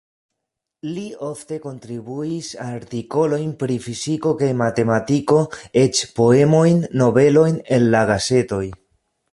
Li ofte kontribuis artikolojn pri fiziko kaj matematiko, eĉ poemojn, novelojn en la gazetoj.